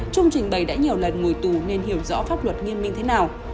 trung trình bày đã nhiều lần ngồi tù nên hiểu rõ pháp luật nghiêm minh thế nào